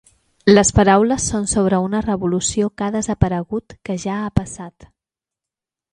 Les paraules són sobre una revolució que ha desaparegut, que ja ha passat.